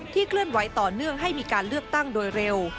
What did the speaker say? เคลื่อนไหวต่อเนื่องให้มีการเลือกตั้งโดยเร็ว